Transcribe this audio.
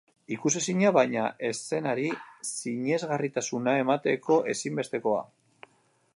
Ikusezina, baina eszenari sinesgarritasuna emateko ezinbestekoa.